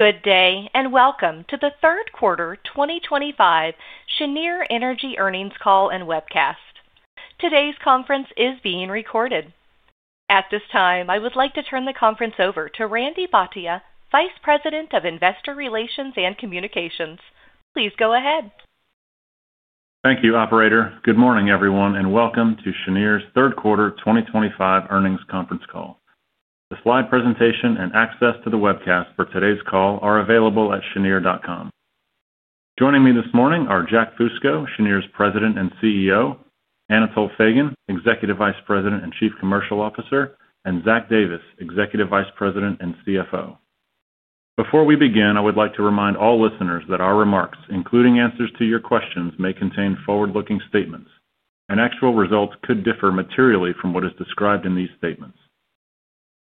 Good day and welcome to the third quarter 2025 Cheniere Energy Partners earnings call and webcast. Today's conference is being recorded. At this time, I would like to turn the conference over to Randy Bhatia, Vice President of Investor Relations and Communications. Please go ahead. Thank you. Operator, good morning everyone and welcome to Cheniere Energy Partners' third quarter 2025 earnings conference call. The slide presentation and access to the webcast for today's call are available at cheniere.com. Joining me this morning are Jack Fusco, Cheniere Energy Partners' President and CEO, Anatol Feygin, Executive Vice President and Chief Commercial Officer, and Zach Davis, Executive Vice President and CFO. Before we begin, I would like to remind all listeners that our remarks, including answers to your questions, may contain forward-looking statements and actual results could differ materially from what is described in these statements.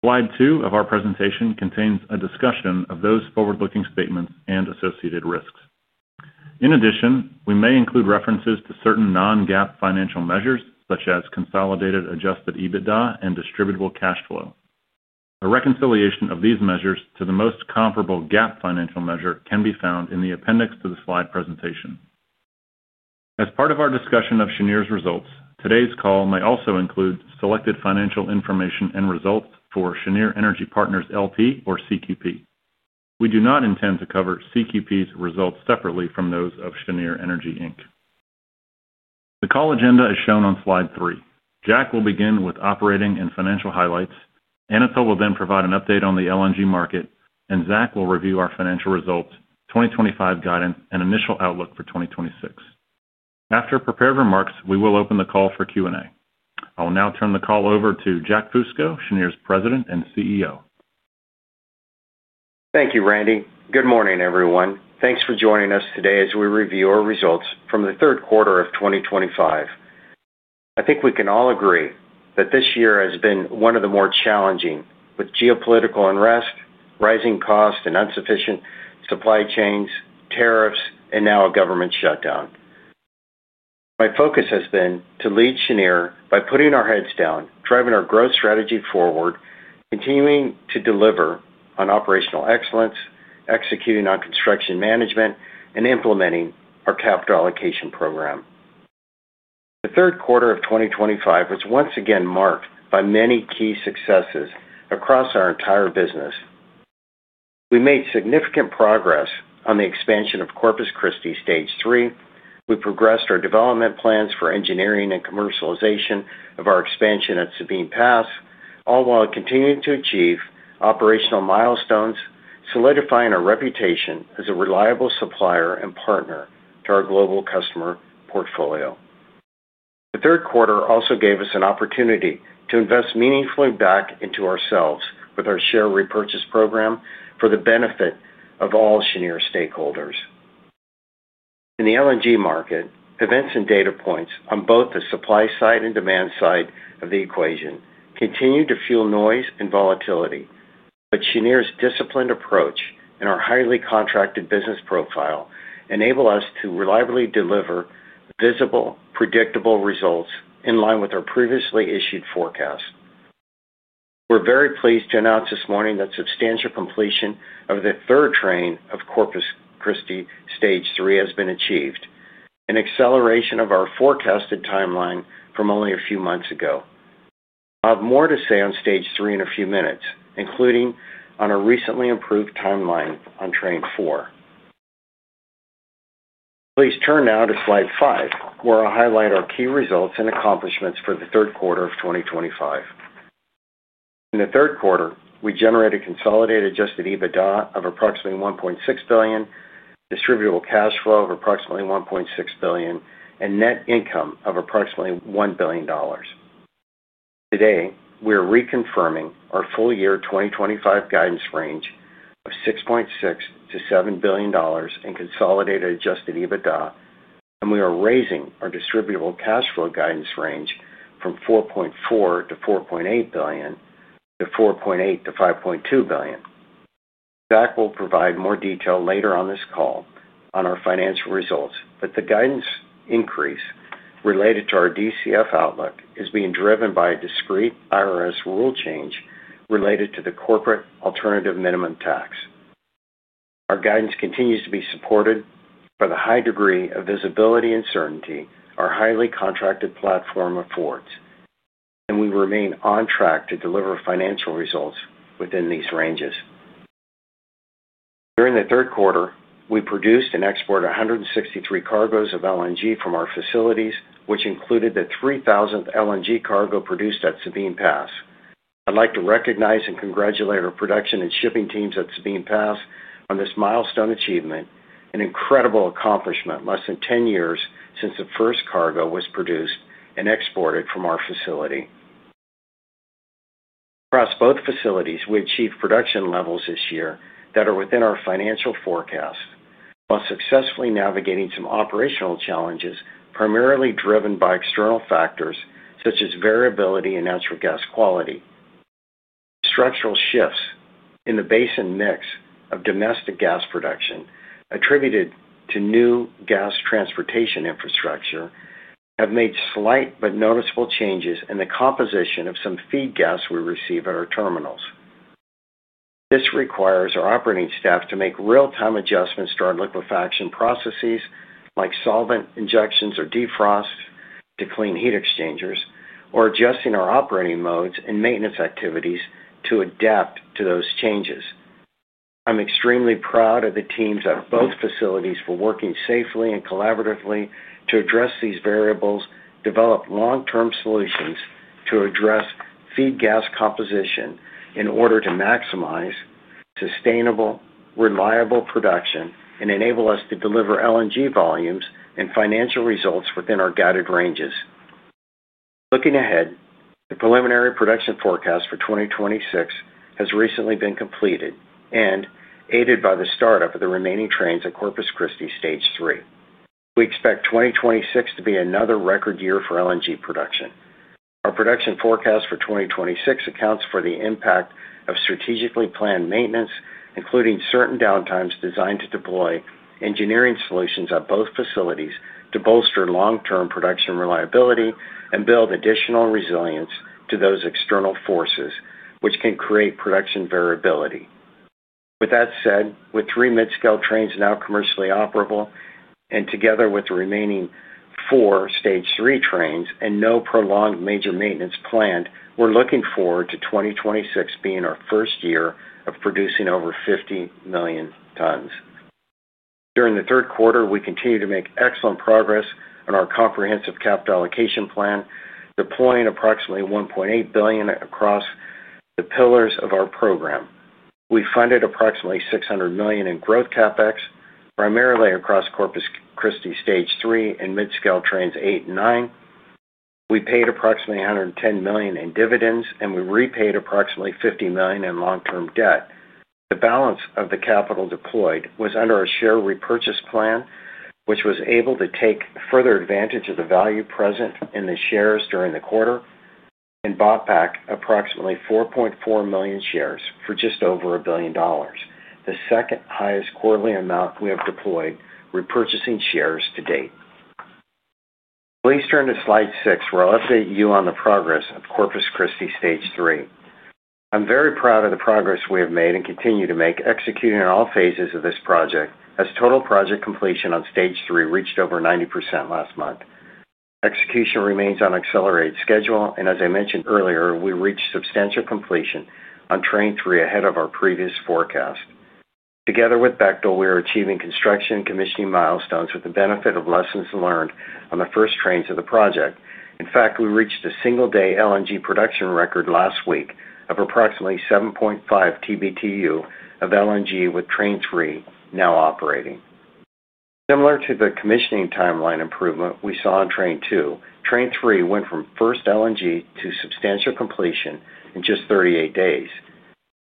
Slide two of our presentation contains a discussion of those forward-looking statements and associated risks. In addition, we may include references to certain non-GAAP financial measures such as consolidated Adjusted EBITDA and Distributable Cash Flow. A reconciliation of these measures to the most comparable GAAP financial measure can be found in the appendix to the slide presentation. As part of our discussion of Cheniere's results, today's call may also include selected financial information and results for Cheniere Energy Partners, L.P. or CQP. We do not intend to cover CQP's results separately from those of Cheniere Energy Inc. The call agenda is shown on slide three. Jack will begin with operating and financial highlights, Anatol will then provide an update on the LNG market, and Zach will review our financial results, 2025 guidance, and initial outlook for 2026. After prepared remarks, we will open the call for Q&A. I will now turn the call over to Jack Fusco, Cheniere Energy Partners' President and CEO. Thank you, Randy. Good morning, everyone. Thanks for joining us today. As we review our results from the third quarter of 2025, I think we can all agree that this year has been one of the more challenging, with geopolitical unrest, rising costs and insufficient supply chains, tariffs, and now a government shutdown. My focus has been to lead Cheniere by putting our heads down, driving our growth strategy forward, continuing to deliver on operational excellence, executing on construction management, and implementing our capital allocation program. The third quarter of 2025 was once again marked by many key successes. Across our entire business, we made significant progress on the expansion of Corpus Christi Stage 3. We progressed our development plans for engineering and commercialization of our expansion at Sabine Pass, all while continuing to achieve operational milestones, solidifying our reputation as a reliable supplier and partner to our global customer portfolio. The third quarter also gave us an opportunity to invest meaningfully back into ourselves with our share repurchase program for the benefit of all Cheniere's stakeholders in the LNG market. Events and data points on both the supply side and demand side of the equation continue to fuel noise and volatility, but Cheniere' disciplined approach and our highly contracted business profile enable us to reliably deliver visible, predictable results in line with our previously issued forecast. We're very pleased to announce this morning that substantial completion of the third train of Corpus Christi Stage 3 has been achieved, an acceleration of our forecasted timeline from only a few months ago. I'll have more to say on Stage 3 in a few minutes, including on a recently improved timeline on Train 4. Please turn now to slide five, where I highlight our key results and accomplishments for the third quarter of 2025. In the third quarter, we generated consolidated Adjusted EBITDA of approximately $1.6 billion, Distributable Cash Flow of approximately $1.6 billion, and net income of approximately $1 billion. Today, we are reconfirming our full-year 2025 guidance range of $6.6 billion-$7 billion in consolidated Adjusted EBITDA, and we are raising our Distributable Cash Flow guidance range from $4.4 billion-$4.8 billion to $4.8 billion-$5.2 billion. Zach will provide more detail later on this call on our financial results, but the guidance increase related to our DCF outlook is being driven by a discrete IRS rule change related to the Corporate Alternative Minimum Tax. Our guidance continues to be supported by the high degree of visibility and certainty our highly contracted platform affords, and we remain on track to deliver financial results within these ranges. During the third quarter, we produced and exported 163 cargoes of LNG from our facilities, which included the 3,000th LNG cargo produced at Sabine Pass. I'd like to recognize and congratulate our production and shipping teams at Sabine Pass on this milestone achievement, an incredible accomplishment less than 10 years since the first cargo was produced and exported from our facility. Across both facilities, we achieved production levels this year that are within our financial forecast while successfully navigating some operational challenges primarily driven by external factors such as variability in natural gas quality. Structural shifts in the basin mix of domestic gas production attributed to new gas transportation infrastructure have made slight but noticeable changes in the composition of some feed gas we receive at our terminals. This requires our operating staff to make real-time adjustments to our liquefaction processes like solvent injections or defrosts to clean heat exchangers, or adjusting our operating modes and maintenance activities to adapt to those changes. I'm extremely proud of the teams at both facilities for working safely and collaboratively to address these variables, develop long-term solutions to address feed gas composition in order to maximize sustainable, reliable production and enable us to deliver LNG volumes and financial results within our guided ranges. Looking ahead, the preliminary production forecast for 2026 has recently been completed and aided by the startup of the remaining trains at Corpus Christi Stage 3. We expect 2026 to be another record year for LNG production. Our production forecast for 2026 accounts for the impact of strategically planned maintenance, including certain downtimes designed to deploy engineering solutions at both facilities to bolster long-term production reliability and build additional resilience to those external forces which can create production variability. With that said, with three mid scale trains now commercially operable and together with the remaining four Stage 3 trains and no prolonged major maintenance planned, we're looking forward to 2026 being our first year of producing over 50 million tons. During the third quarter, we continue to make excellent progress on our Comprehensive Capital Allocation plan, deploying approximately $1.8 billion across the pillars of our program. We funded approximately $600 million in growth CapEx, primarily across Corpus Christi Stage 3 and mid-scale trains 8 and 9. We paid approximately $110 million in dividends, and we repaid approximately $50 million in long term debt. The balance of the capital deployed was under our share repurchase plan, which was able to take further advantage of the value present in the shares during the quarter and bought back approximately 4.4 million shares for just over $1 billion, the second highest quarterly amount we have deployed repurchasing shares to date. Please turn to slide six where I'll update you on the progress of Corpus Christi Stage 3. I'm very proud of the progress we have made and continue to make executing on all phases of this project. As total project completion on Stage 3 reached over 90% last month, execution remains on accelerated schedule, and as I mentioned earlier, we reached substantial completion on Train 3 ahead of our previous forecast. Together with Bechtel, we are achieving construction and commissioning milestones with the benefit of lessons learned on the first trains of the project. In fact, we reached a single day LNG production record last week of approximately 7.5 TBtu of LNG with Train 3 now operating. Similar to the commissioning timeline improvement we saw in Train 2, Train 3 went from first LNG to substantial completion in just 38 days.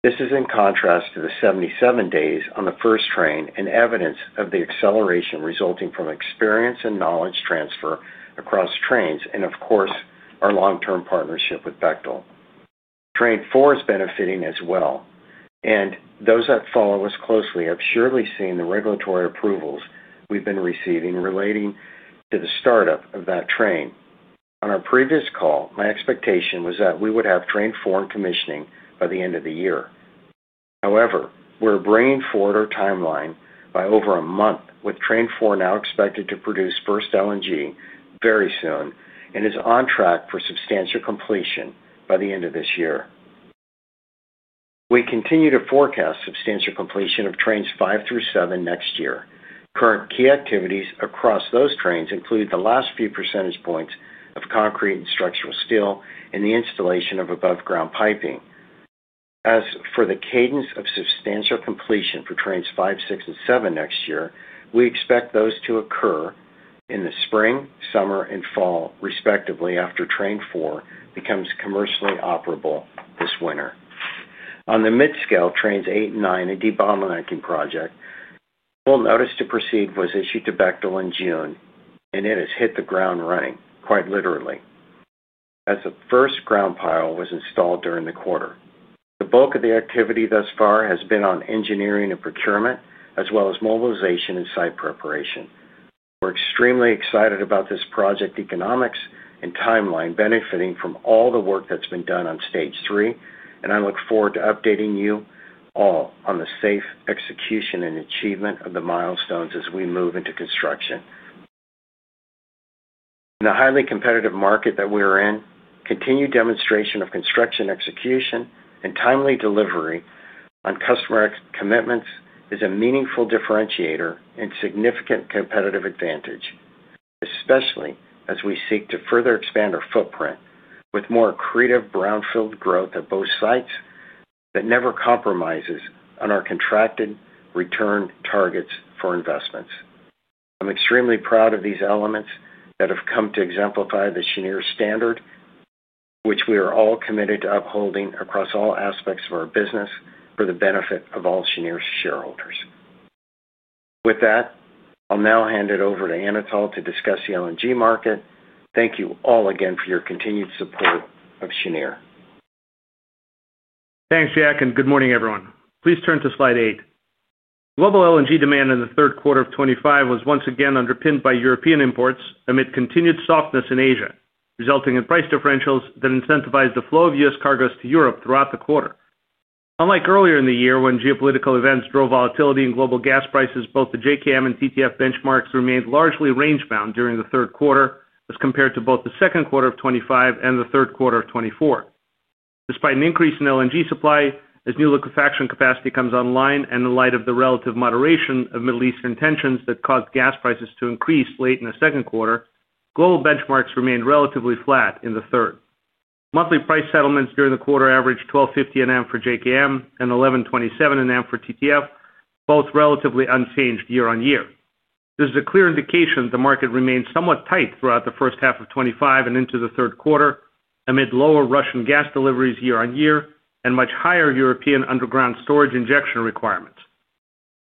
This is in contrast to the 77 days on the first train and evidence of the acceleration resulting from experience and knowledge transfer across trains. Our long term partnership with Bechtel is key. Train 4 is benefiting as well, and those that follow us closely have surely seen the regulatory approvals we have been receiving relating to the startup of that train. On our previous call, my expectation was that we would have Train 4 in commissioning by the end of the year. However, we're bringing forward our timeline by over a month. With Train 4 now expected to produce first LNG very soon and is on track for substantial completion by the end of this year, we continue to forecast substantial completion of Trains 5 through Train 7 next year. Current key activities across those trains include the last few percentage of concrete and structural steel and the installation of above ground piping. As for the cadence of substantial completion for Trains 5, Train 6, and Train 7 next year, we expect those to occur in the spring, summer, and fall respectively, after Train 4 becomes commercially operable this winter. On the mid scale Trains 8 and Train 9, a debottlenecking project, full notice to proceed was issued to Bechtel in June and it has hit the ground running quite literally as the first ground pile was installed during the quarter. The bulk of the activity thus far has been on engineering and procurement as well as mobilization and site preparation. We're extremely excited about this project economics and timeline benefiting from all the work that's been done on Stage 3. I look forward to updating you all on the safe execution and achievement of the milestones as we move into construction. In the highly competitive market that we are in, continued demonstration of construction execution and timely delivery on customer commitments is a meaningful differentiator and significant competitive advantage, especially as we seek to further expand our footprint with more accretive brownfield growth at both sites that never compromises on our contracted return targets for investments. I'm extremely proud of these elements that have come to exemplify the Cheniere standard, which we are all committed to upholding across all aspects of our business for the benefit of all Cheniere's shareholders. With that, I'll now hand it over to Anatol to discuss the LNG market. Thank you all again for your continued support of Cheniere. Thanks Jack and good morning everyone. Please turn to slide eight. Global LNG demand in third quarter 2025 was once again underpinned by European imports amid continued softness in Asia, resulting in price differentials that incentivize the flow of U.S. cargoes to Europe throughout the quarter. Unlike earlier in the year when geopolitical events drove volatility in global gas prices, both the JKM and TTF benchmarks remained largely range-bound during the third quarter as compared to both second quarter 2025 and third quarter 2024. Despite an increase in LNG supply as new liquefaction capacity comes online, and in light of the relative moderation of Middle Eastern tensions that caused gas prices to increase late in the second quarter, global benchmarks remained relatively flat in the third. Monthly price settlements during the quarter averaged $12.50/MMBtu for JKM and $11.27/MMBtu for TTF, both relatively unchanged year on year. This is a clear indication the market remains somewhat tight throughout the first half of 2025 and into the third quarter amid lower Russian gas deliveries year on year and much higher European underground storage injection requirements.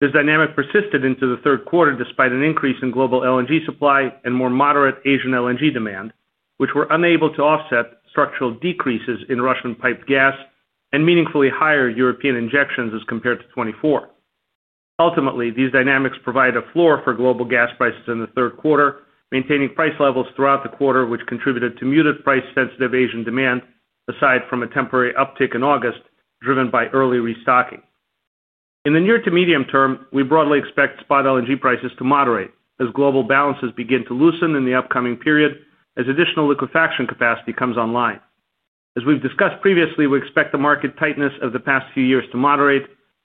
This dynamic persisted into the third quarter despite an increase in global LNG supply and more moderate Asian LNG demand, which were unable to offset structural decreases in Russian piped gas and meaningfully higher European injections as compared to 2024. Ultimately, these dynamics provide a floor for global gas prices in the third quarter, maintaining price levels throughout the quarter, which contributed to muted price sensitive Asian demand. Aside from a temporary uptick in August driven by early restocking, in the near to medium term, we broadly expect spot LNG prices to moderate as global balances begin to loosen in the upcoming period as additional liquefaction capacity comes online. As we've discussed previously, we expect the market tightness of the past few years to moderate,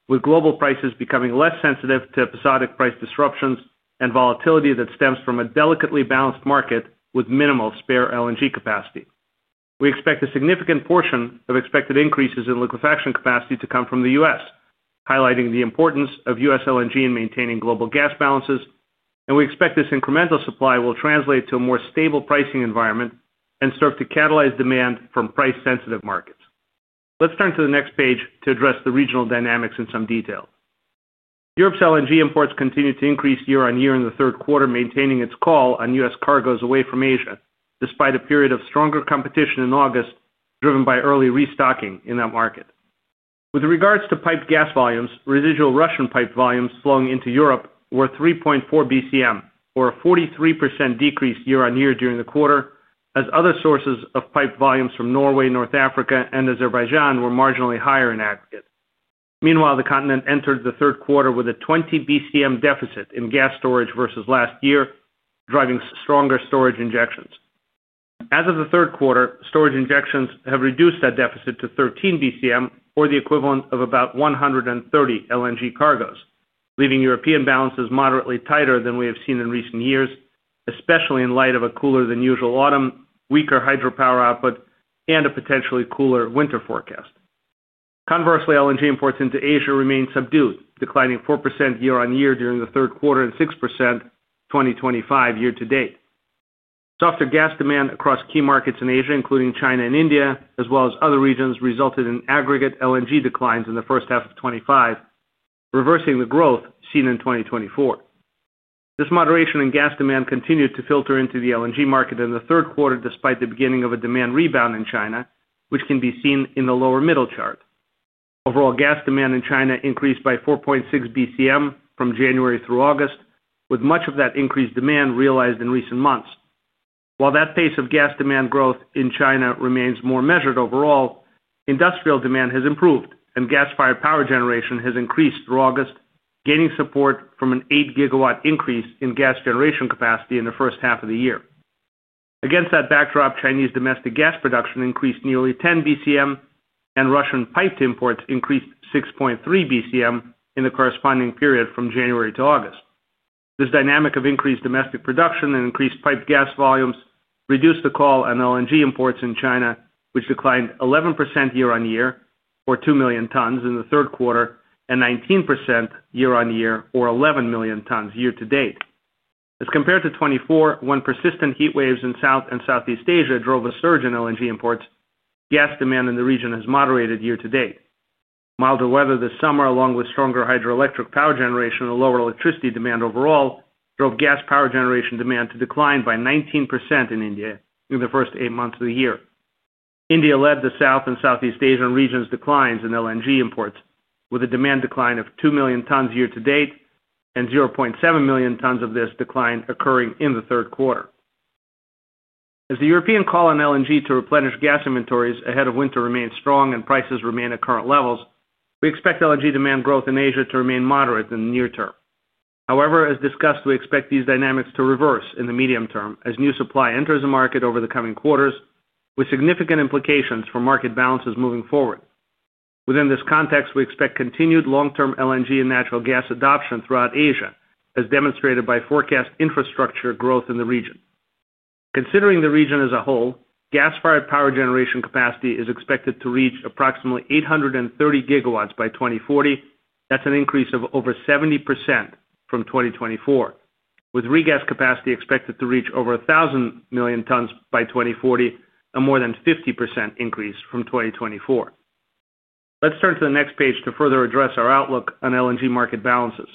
with global prices becoming less sensitive to episodic price disruptions and volatility that stems from a delicately balanced market with minimal spare LNG capacity. We expect a significant portion of expected increases in liquefaction capacity to come from the U.S., highlighting the importance of U.S. LNG in maintaining global gas balances, and we expect this incremental supply will translate to a more stable pricing environment and serve to catalyze demand from price-sensitive markets. Let's turn to the next page to address the regional dynamics in some detail. Europe's LNG imports continued to increase year on year in the third quarter, maintaining its call on U.S. cargoes away from Asia despite a period of stronger competition in August driven by early restocking in that market. With regards to piped gas volumes, residual Russian pipe volumes flowing into Europe were 3.4 bcm, or a 43% decrease year on year during the quarter as other sources of pipe volumes from Norway, North Africa, and Azerbaijan were marginally higher. In aggregate, the continent entered the third quarter with a 20 bcm deficit in gas storage versus last year, driving stronger storage injections. As of the third quarter, storage injections have reduced that deficit to 13 bcm, or the equivalent of about 130 LNG cargoes, leaving European balances moderately tighter than we have seen in recent years, especially in light of a cooler-than-usual autumn, weaker hydropower output, and a potentially cooler winter forecast. Conversely, LNG imports into Asia remained subdued, declining 4% year on year during the third quarter and 6% 2025 year to date. Softer gas demand across key markets in Asia, including China and India as well as other regions, resulted in aggregate LNG declines in the first half of 2025, reversing the growth seen in 2024. This moderation in gas demand continued to filter into the LNG market in the third quarter despite the beginning of a demand rebound in China, which can be seen in the lower middle chart. Overall gas demand in China increased by 4.6 bcm from January through August, with much of that increased demand realized in recent months. While that pace of gas demand growth in China remains more measured, overall industrial demand has improved and gas-fired power generation has increased through August, gaining support from an 8 GW increase in gas generation capacity in the first half of the year. Against that backdrop, Chinese domestic gas production increased nearly 10 bcm and Russian piped imports increased 6.3 bcm in the corresponding period from January to August. This dynamic of increased domestic production and increased piped gas volumes reduced the call on LNG imports in China, which declined 11% year on year or 2 million tons in the third quarter and 19% year on year or 11 million tons year to date as compared to 2024 when persistent heat waves in South and Southeast Asia drove a surge in LNG imports. Gas demand in the region has moderated year to date. Milder weather this summer, along with stronger hydroelectric power generation and lower electricity demand overall, drove gas power generation demand to decline by 19% in India the first eight months of the year. India led the South and Southeast Asian region's declines in LNG imports, with a demand decline of 2 million tons year to date and 700,000 tons of this decline occurring in the third quarter. As the European call on LNG to replenish gas inventories ahead of winter remains strong and prices remain at current levels, we expect LNG demand growth in Asia to remain moderate in the near term. However, as discussed, we expect these dynamics to reverse in the medium term as new supply enters the market over the coming quarters with significant implications for market balances moving forward. Within this context, we expect continued long-term LNG and natural gas adoption throughout Asia as demonstrated by forecast infrastructure growth in the region. Considering the region as a whole, gas-fired power generation capacity is expected to reach approximately 830 GW by 2040. That's an increase of over 70% from 2024, with regas capacity expected to reach over 1,000 million tons by 2040, a more than 50% increase from 2024. Let's turn to the next page to further address our outlook on LNG market balances.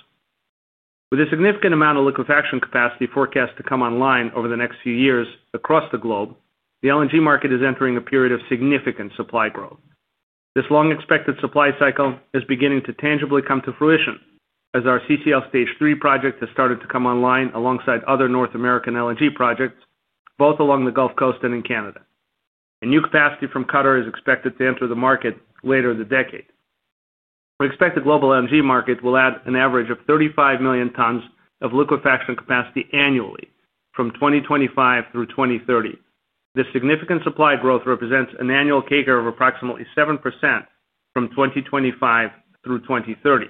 With a significant amount of liquefaction capacity forecast to come online over the next few years across the globe, the LNG market is entering a period of significant supply growth. This long-expected supply cycle is beginning to tangibly come to fruition as our CCL Stage 3 project has started to come online alongside other North American LNG projects both along the Gulf Coast and in Canada, and new capacity from Qatar is expected to enter the market later in the decade. We expect the global LNG market will add an average of 35 million tonnes of liquefaction capacity annually from 2025 through 2030. This significant supply growth represents an annual CAGR of approximately 7% from 2025 through 2030.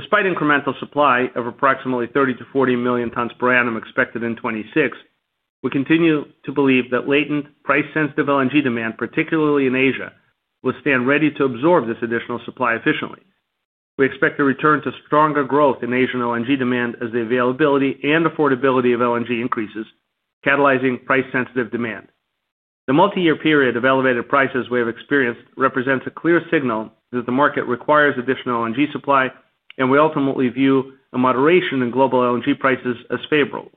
Despite incremental supply of approximately 30 million tons-40 million tons per annum expected in 2026, we continue to believe that latent price-sensitive LNG demand, particularly in Asia, will stand ready to absorb this additional supply efficiently. We expect a return to stronger growth in Asian LNG demand as the availability and affordability of LNG increases, catalyzing price-sensitive demand. The multiyear period of elevated prices we have experienced represents a clear signal that the market requires additional LNG supply, and we ultimately view a moderation in global LNG prices as favorable,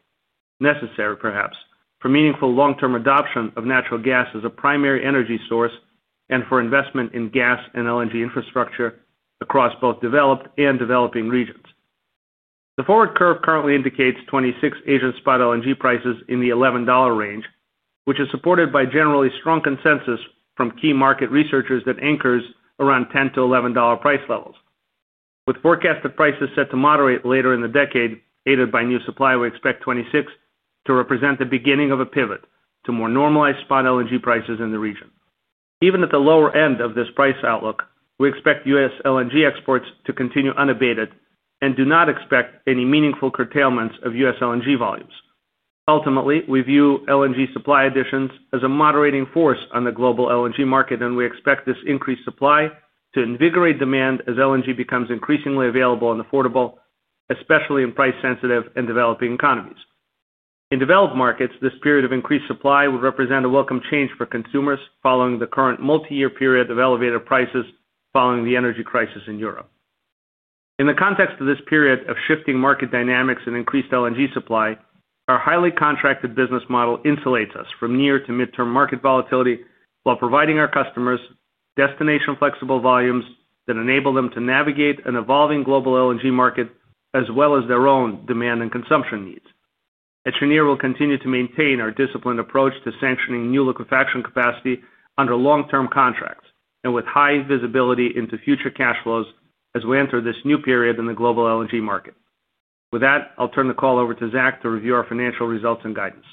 necessary perhaps for meaningful long-term adoption of natural gas as a primary energy source and for investment in gas and LNG infrastructure across both developed and developing regions. The forward curve currently indicates 2026 Asian spot LNG prices in the $11 range, which is supported by generally strong consensus from key market researchers that anchors around $10-$11 price levels. With forecasted prices set to moderate later in the decade aided by new supply, we expect 2026 to represent the beginning of a pivot to more normalized spot LNG prices in the region. Even at the lower end of this price outlook, we expect U.S. LNG exports to continue unabated and do not expect any meaningful curtailments of U.S. LNG volumes. Ultimately, we view LNG supply additions as a moderating force on the global LNG market, and we expect this increased supply to invigorate demand as LNG becomes increasingly available and affordable, especially in price-sensitive and developing economies. In developed markets, this period of increased supply would represent a welcome change for consumers following the current multiyear period of elevated prices following the energy crisis in Europe. In the context of this period of shifting market dynamics and increased LNG supply, our highly contracted business model insulates us from near- to mid-term market volatility while providing our customers destination-flexible volumes that enable them to navigate an evolving global LNG market as well as their own demand and consumption needs. At Cheniere, we will continue to maintain our disciplined approach to sanctioning new liquefaction capacity under long-term contracts and with high visibility into future cash flows as we enter this new period in the global LNG market. With that, I'll turn the call over to Zach to review our financial results and guidance.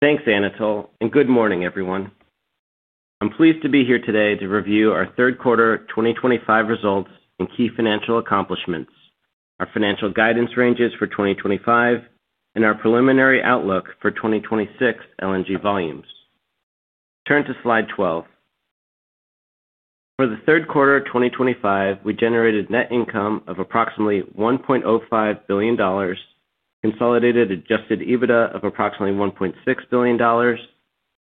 Thanks Anatol and good morning everyone. I'm pleased to be here today to review our third quarter 2025 results and key financial accomplishments. Our financial guidance ranges for 2025 and our preliminary outlook for 2026 LNG volumes turn to Slide 12. For the third quarter 2025, we generated net income of approximately $1.05 billion, consolidated Adjusted EBITDA of approximately $1.6 billion,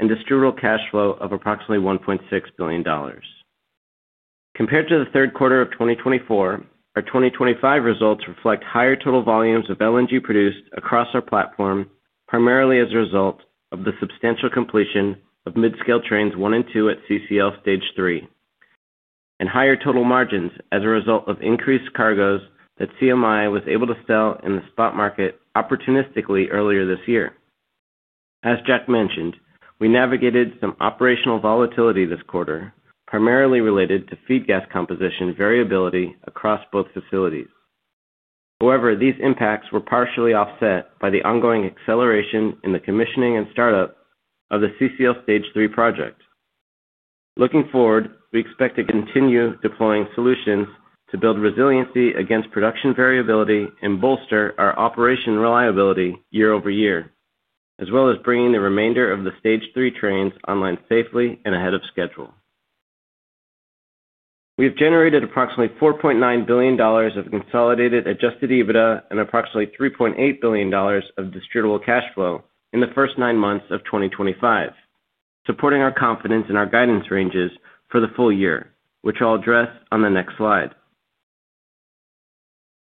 and Distributable Cash Flow of approximately $1.6 billion. Compared to the third quarter of 2024, our 2025 results reflect higher total volumes of LNG produced across our platform, primarily as a result of the substantial completion of mid scale Trains 1 and 2 at CCL Stage 3 and higher total margins as a result of increased cargoes that CMI was able to sell in the spot market opportunistically earlier this year. As Jack mentioned, we navigated some operational volatility this quarter, primarily related to feed gas composition variability across both facilities. However, these impacts were partially offset by the ongoing acceleration in the commissioning and startup of the CCL Stage 3 project. Looking forward, we expect to continue deploying solutions to build resiliency against production variability and bolster our operation reliability year-over-year, as well as bringing the remainder of the Stage 3 Trains online safely and ahead of schedule. We have generated approximately $4.9 billion of consolidated Adjusted EBITDA and approximately $3.8 billion of Distributable Cash Flow in the first nine months of 2025, supporting our confidence in our guidance ranges for the full year, which I'll address.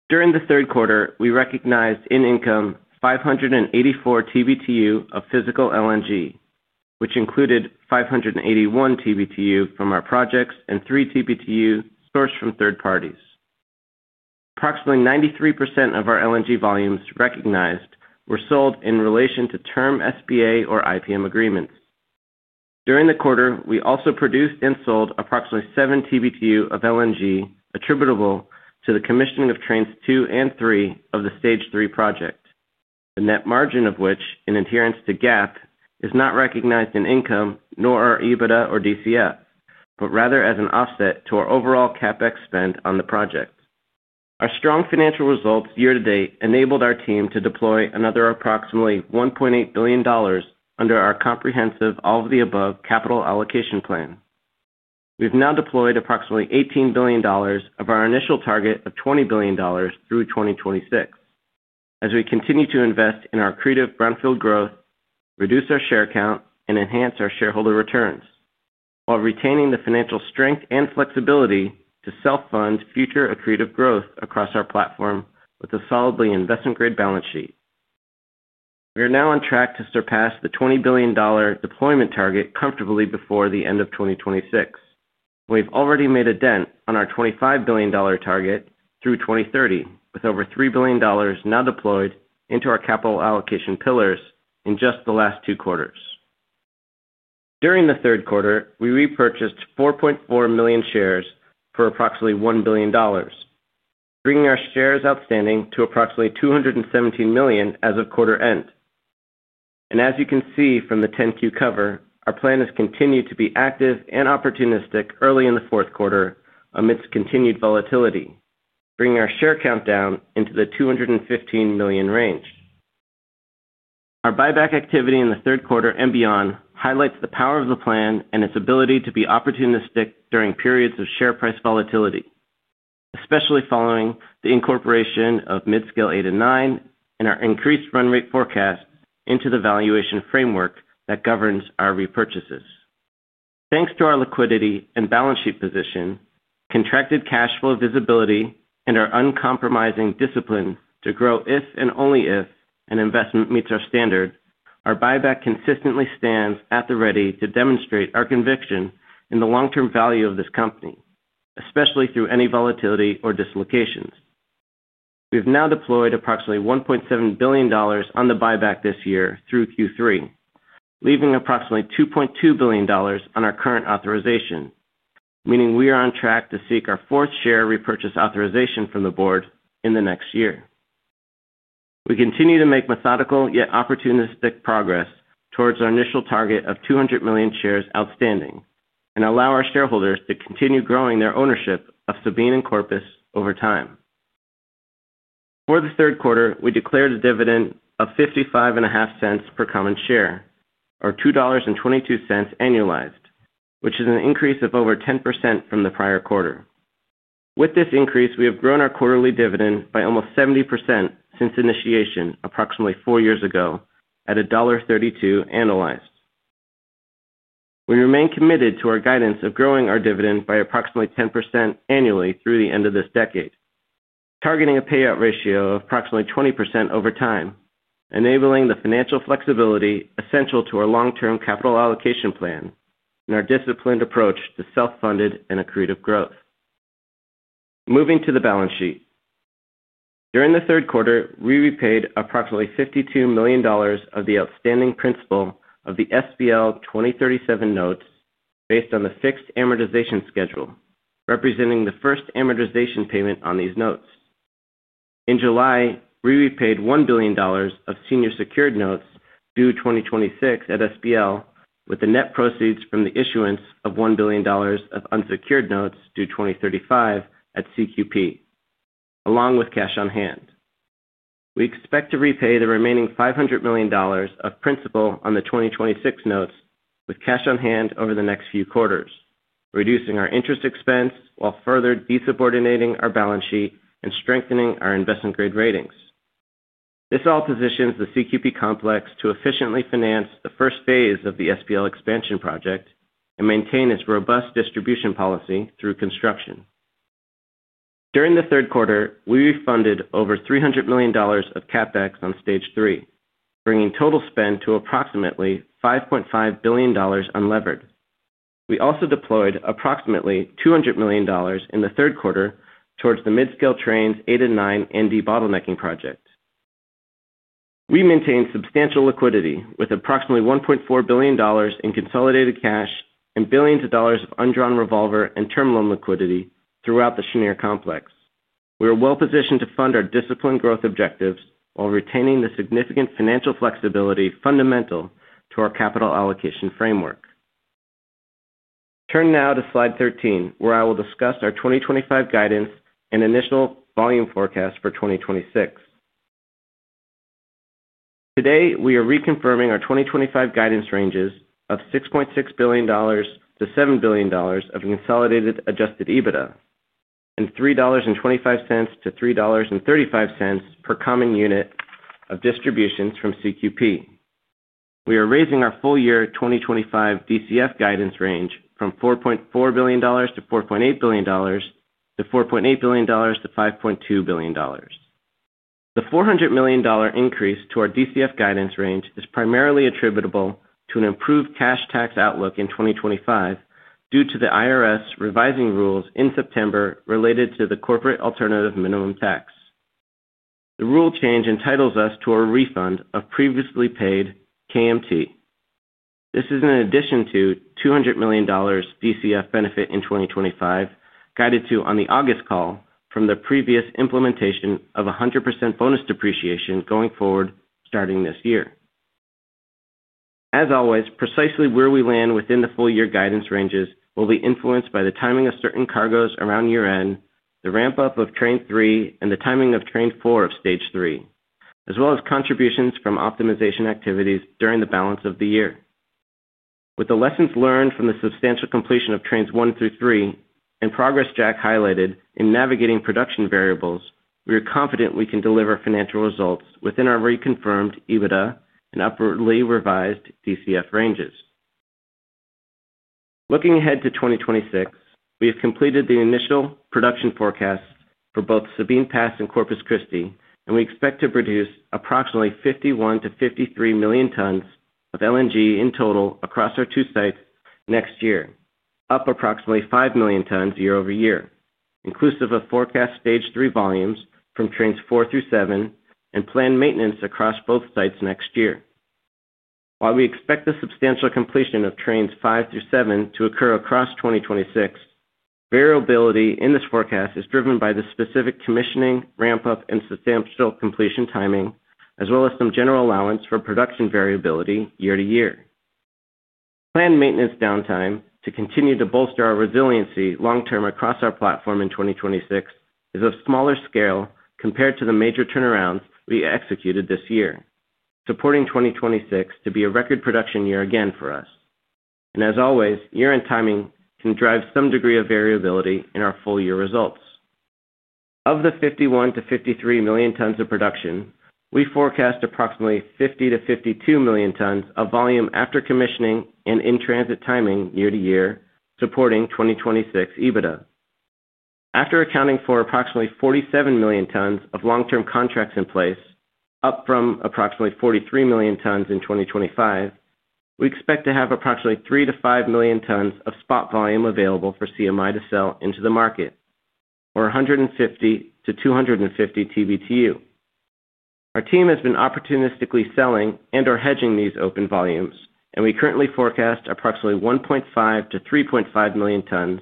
During the third quarter, we recognized in income 584 TBtu of physical LNG, which included 581 TBtu from our projects and 3 TBtu sourced from third parties. Approximately 93% of our LNG volumes recognized were sold in relation to term SPA or IPM agreements. During the quarter, we also produced and sold approximately 7 TBtu of LNG attributable to the commissioning of Trains 2 and 3 of the Stage 3 project, the net margin of which, in adherence to GAAP, is not recognized in income nor our EBITDA or DCF, but rather as an offset to our overall CapEx spend on the project. Our strong financial results year to date enabled our team to deploy another approximately $1.8 billion under our comprehensive all of the above capital allocation plan. We've now deployed approximately $18 billion of our initial target of $20 billion through 2026 as we continue to invest in our accretive brownfield growth, reduce our share count, and enhance our shareholder returns while retaining the financial strength and flexibility to self-fund future accretive growth across our platform with a solidly investment-grade balance sheet. We are now on track to surpass the $20 billion deployment target comfortably before the end of 2026. We've already made a dent on our $25 billion target through 2030 with over $3 billion now deployed into our capital allocation pillars in just the last two quarters. During the third quarter, we repurchased 4.4 million shares for approximately $1 billion, bringing our shares outstanding to approximately 217 million as of quarter-end. As you can see from the 10-Q cover, our plan is continued to be active and opportunistic early in the fourth quarter amidst continued volatility, bringing our share countdown into the 215 million range. Our buyback activity in the third quarter and beyond highlights the power of the plan and its ability to be opportunistic during periods of share price volatility, especially following the incorporation of mid scale 8 and 9 and our increased run rate forecast into the valuation framework that governs our repurchases. Thanks to our liquidity and balance sheet position, contracted cash flow visibility, and our uncompromising discipline to grow if and only if an investment meets our standard, our buyback consistently stands at the ready to demonstrate our conviction in the long term value of this company, especially through any volatility or dislocations. We have now deployed approximately $1.7 billion on the buyback this year through Q3, leaving approximately $2.2 billion on our current authorization, meaning we are on track to seek our fourth share repurchase authorization from the board in the next year. We continue to make methodical yet opportunistic progress towards our initial target of 200 million shares outstanding and allow our shareholders to continue growing their ownership of Sabine and Corpus over time. For the third quarter, we declared a dividend of $0.555 per common share or $2.22 annualized, which is an increase of over 10% from the prior quarter. With this increase, we have grown our quarterly dividend by almost 70% since initiation approximately four years ago at $1.32 annualized. We remain committed to our guidance of growing our dividend by approximately 10% annually through the end of this decade, targeting a payout ratio of approximately 20% over time, enabling the financial flexibility essential to our long-term capital allocation plan and our disciplined approach to self-funded and accretive growth. Moving to the balance sheet. During the third quarter, we repaid approximately $52 million of the outstanding principal of the SBL 2037 notes based on the fixed amortization schedule, representing the first amortization payment on these notes. In July, we repaid $1 billion of senior secured notes due 2026 at SBL with the net proceeds from the issuance of $1 billion of unsecured notes due 2035 at CQP, along with cash on hand. We expect to repay the remaining $500 million of principal on the 2026 notes with cash on hand over the next few quarters, reducing our interest expense while further desubordinating our balance sheet and strengthening our investment-grade ratings. This all positions the CQP complex to efficiently finance the first phase of the SPL expansion project and maintain its robust distribution policy through construction. During the third quarter, we refunded over $300 million of CapEx on Stage 3, bringing total spend to approximately $5.5 billion unlevered. We also deployed approximately $200 million in the third quarter towards the midscale Trains 8 and 9 North Carolina Bottlenecking Project. We maintained substantial liquidity with approximately $1.4 billion in consolidated cash and billions of dollars of undrawn revolver and term loan liquidity throughout the Cheniere complex. We are well positioned to fund our disciplined growth objectives while retaining the significant financial flexibility fundamental to our capital allocation framework. Turn now to slide 13, where I will discuss our 2025 guidance and initial volume forecast for 2026. Today, we are reconfirming our 2025 guidance ranges of $6.6 billion-$7 billion of consolidated Adjusted EBITDA and $3.25-$3.35 per common unit of distributions from CQP. We are raising our full-year 2025 DCF guidance range from $4.4 billion-$4.8 billion to $4.8 billion-$5.2 billion. The $400 million increase to our DCF guidance range is primarily attributable to an improved cash tax outlook in 2025 due to the IRS revising rules in September related to the corporate Alternative Minimum Tax. The rule change entitles us to a refund of previously paid CAMT. This is in addition to the $200 million DCF benefit in 2025 guided to on the August call from the previous implementation of 100% bonus depreciation going forward starting this year. As always, precisely where we land within the full year guidance ranges will be influenced by the timing of certain cargoes around year end, the ramp up of Train 3 and the timing of Train 4 of Stage 3, as well as contributions from optimization activities during the balance of the year. With the lessons learned from the substantial completion of Trains 1 through 3 and progress Jack highlighted in navigating production variables, we are confident we can deliver financial results within our reconfirmed EBITDA and upwardly revised DCF ranges. Looking ahead to 2026, we have completed the initial production forecast for both Sabine Pass and Corpus Christi, and we expect to produce approximately 51 million tons-53 million tons of LNG in total across our two sites next year, up approximately 5 million tons year-over-year, inclusive of forecast Stage 3 volumes from Trains 4 through 7 and planned maintenance across both sites next year. While we expect the substantial completion of Trains 5-through 7 to occur across 2026, variability in this forecast is driven by the specific commissioning ramp-up and substantial completion timing, as well as some general allowance for production variability year to year. Planned maintenance downtime to continue to bolster our resiliency long term across our platform in 2026 is of smaller scale compared to the major turnarounds we executed this year, supporting 2026 to be a record production year again for us. As always, year-end timing can drive some degree of variability in our full-year results. Of the 51 million tons-53 million tons of production, we forecast approximately 50 million tons-52 million tons of volume after commissioning and in transit timing year to year, supporting 2026 EBITDA. After accounting for approximately 47 million tons of longterm contracts in place, up from approximately 43 million tons in 2025, we expect to have approximately 3 million tons-5 million tons of spot volume available for CMI to sell into the market, or 150 TBtu-250 TBtu. Our team has been opportunistically selling and hedging these open volumes, and we currently forecast approximately 1.5 million tons-3.5 million tons,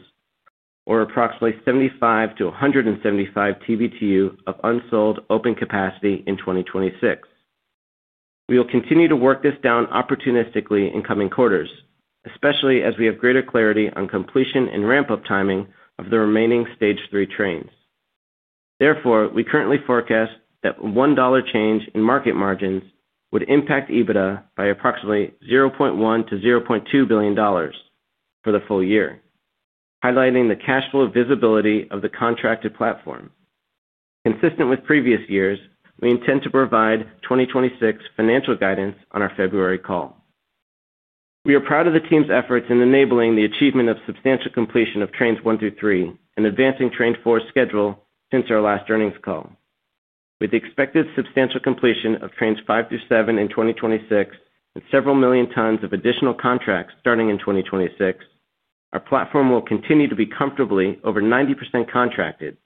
or approximately 75 TBtu-175 TBtu of unsold open capacity in 2026. We will continue to work this down opportunistically in coming quarters, especially as we have greater clarity on completion and ramp up timing of the remaining Stage 3 trains. Therefore, we currently forecast that a $1 change in market margins would impact EBITDA by approximately $0.1 billion-$0.2 billion for the full year, highlighting the cash flow visibility of the contracted platform consistent with previous years. We intend to provide 2026 financial guidance on our February call. We are proud of the team's efforts in enabling the achievement of substantial completion of Trains 1 through 3 and advancing Train 4 schedule since our last earnings call. With the expected substantial completion of Trains 5 through 7 in 2026 and several million tons of additional contracts starting in 2026, our platform will continue to be comfortably over 90% contracted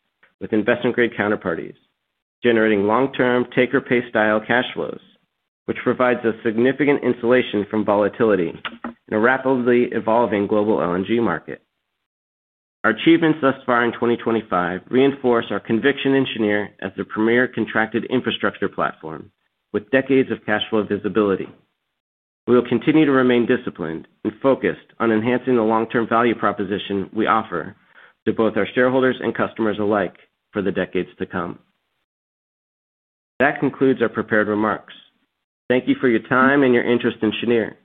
with investment-grade counterparties generating long-term take-or-pay style cash flows, which provides us significant insulation from volatility in a rapidly evolving global LNG market. Our achievements thus far in 2025 reinforce our conviction. Cheniere as the premier contracted infrastructure platform with decades of cash flow visibility, we will continue to remain disciplined and focused on enhancing the long-term value proposition we offer to both our shareholders and customers alike for the decades to come. That concludes our prepared remarks. Thank you for your time and your interest in Cheniere.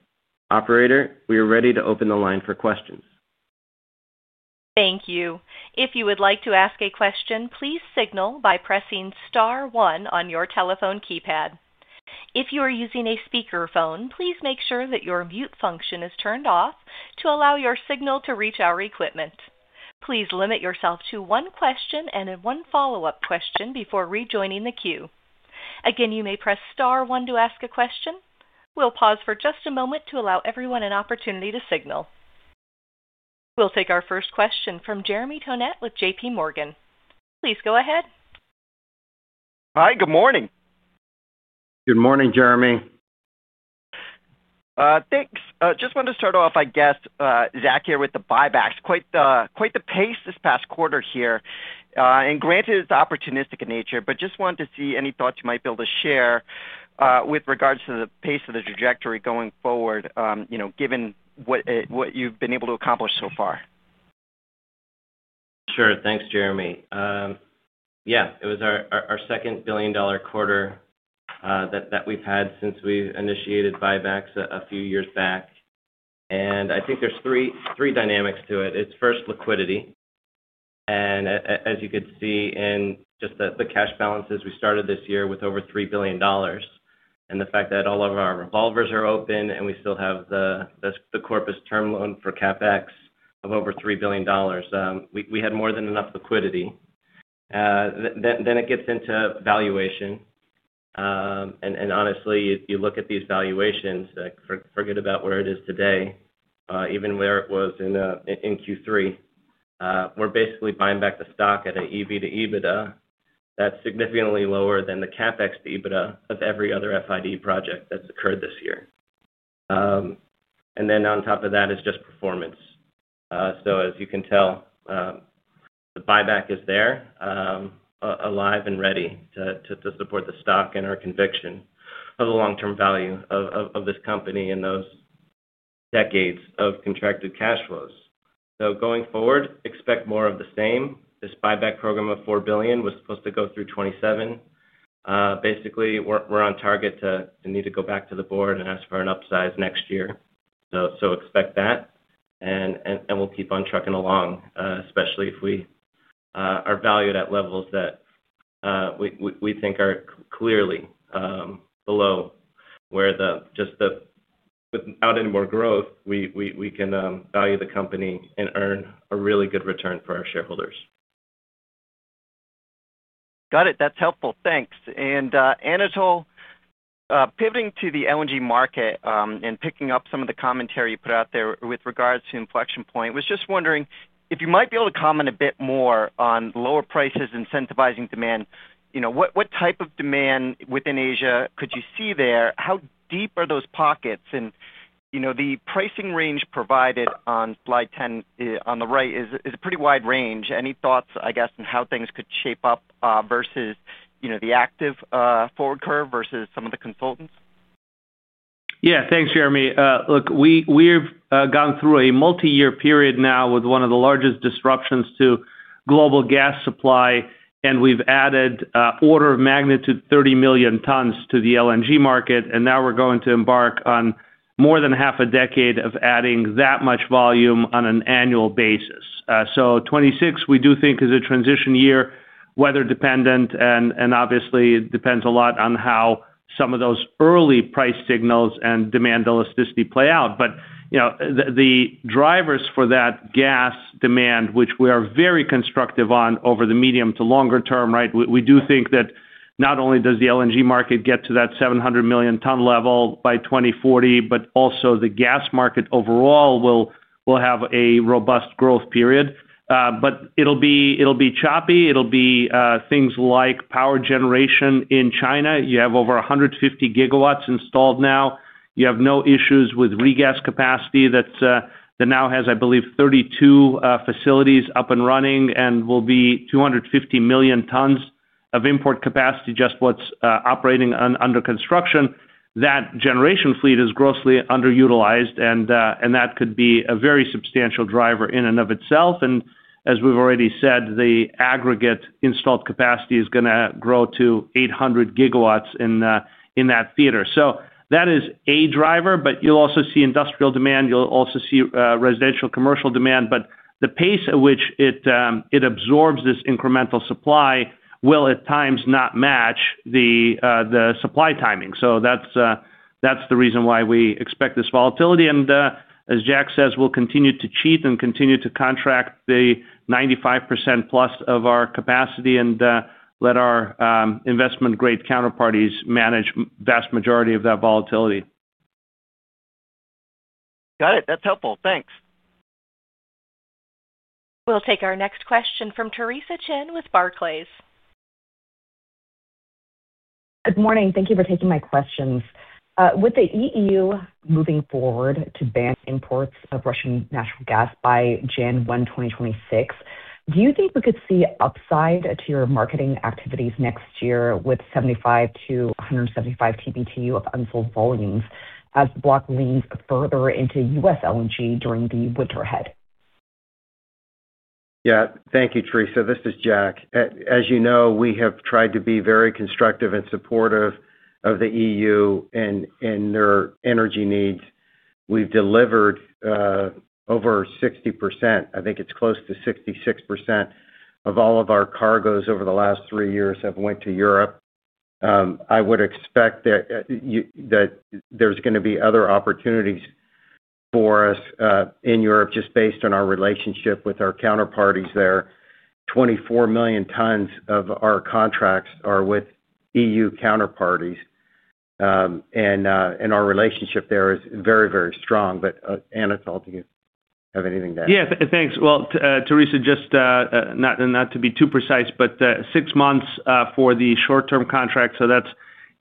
Operator, we are ready to open the line for questions. Thank you. If you would like to ask a question, please signal by pressing star one on your telephone keypad. If you are using a speakerphone, please make sure that your mute function is turned off to allow your signal to reach our equipment. Please limit yourself to one question and one follow-up question before rejoining the queue. Again, you may press star one to ask a question. We'll pause for just a moment to allow everyone an opportunity to signal. We'll take our first question from Jeremy Tonet with JPMorgan. Please go ahead. Hi, good morning. Good morning, Jeremy. Thanks. Just wanted to start off, I guess, Zach, here with the buybacks. Quite the pace this past quarter here, and granted it's opportunistic in nature, but just wanted to see any thoughts you might be able to share with regards to the pace of the trajectory going forward given what you've been able to accomplish so far. Sure. Thanks, Jeremy. Yeah, it was our second billion dollar quarter that we've had since we initiated buybacks a few years back, and I think there's three dynamics to it. It's first liquidity, and as you could see in just the cash balances, we started this year with over $3 billion, and the fact that all of our revolvers are open and we still have the Corpus term loan for CapEx of over $3 billion, we had more than enough liquidity. It gets into valuation, and honestly, you look at these valuations, forget about where it is today, even where it was in Q3, we're basically buying back the stock at an EV to EBITDA that's significantly lower than the CapEx EBITDA of every other FID project that's occurred this year. On top of that is just performance. As you can tell, the buyback is there, alive and ready to support the stock and our conviction of the long-term value of this company in those decades of contracted cash flows. Going forward, expect more of the same. This buyback program of $4 billion was supposed to go through 2027. Basically, we're on target to need to go back to the board and ask for an upsize next year. Expect that, and we'll keep on trucking along, especially if we are valued at levels that we think are clearly below where just without any more growth we can value the company and earn a really good return for our shareholders. Got it, that's helpful, thanks. Anatol, pivoting to the LNG market. Picking up some of the commentary you put out there with regards to inflection point, was just wondering if you might be able to comment a bit more on lower prices incentivizing demand. You know what type of demand within Asia, could you see there? How deep are those pockets, and you know the pricing range provided on slide 10 on the right is a pretty wide range. Any thoughts, I guess, on how things could shape up versus the active forward curve versus some of the consultants? Yeah, thanks, Jeremy. Look, we've gone through a multi-year period now with one of the largest disruptions to global gas supply, and we've added order of magnitude 30 million tons to the LNG market, and now we're going to embark on more than half a decade of adding that much volume on an annual basis. 2026, we do think, is a transition year, weather dependent, and obviously it depends a lot on how some of those early price signals and demand elasticity play out. The drivers for that gas demand, which we are very constructive on over the medium to longer term, right, we do think that not only does the LNG market get to that 700 million ton level by 2040, but also the gas market overall will have a robust growth period. It'll be choppy. It'll be things like power generation. In China, you have over 150 GW installed now. You have no issues with regas capacity. That now has, I believe, 32 facilities up and running and will be 250 million tons of import capacity, just what's operating under construction. That generation fleet is grossly underutilized, and that could be a very substantial driver in and of itself. As we've already said, the aggregate installed capacity is going to grow to 800 GW in that theater. That is a driver. You'll also see industrial demand, you'll also see residential commercial demand. The pace at which it absorbs this incremental supply will at times not match the supply timing. That's the reason why we expect this volatility. As Jack says, we'll continue to cheat and continue to contract the 95%+ of our capacity and let our investment-grade counterparties manage vast majority of that volatility. Got it. That's helpful, thanks. We'll take our next question from Theresa Chen with Barclays. Good morning. Thank you for taking my questions. With the EU moving forward to ban imports of Russian natural gas by January 1, 2026, do you think we could see upside to your marketing activities next year with 75 TBtu-175 TBtu of unsold volumes as the block leans further into U.S. LNG during the winter ahead? Yeah, thank you. Theresa, this is Jack. As you know, we have tried to be very constructive and supportive of the EU and their energy needs. We've delivered over 60%. I think it's close to 66% of all of our cargoes over the last three years have gone to Europe. I would expect that there's going to be other opportunities for us in Europe just based on our relationship with our counterparties there. 24 million tons of our contracts are with EU counterparties and our relationship there is very, very strong. Anatol, if you have anything to add. Yeah, thanks. Theresa, just not to be too precise, but six months for the short-term contract, so that's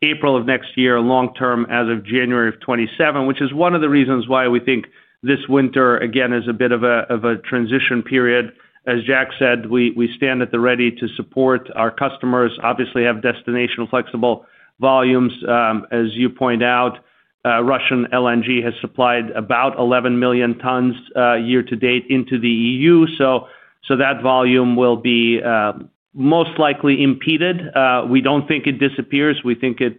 April of next year. Long-term, as of January of 2027, which is one of the reasons why we think this winter again is a bit of a transition period. As Jack said, we stand at the ready to support our customers. Obviously, we have destination flexible volumes. As you point out, Russian LNG has supplied about 11 million tons year to date into the EU. That volume will most likely be impeded. We don't think it disappears. We think it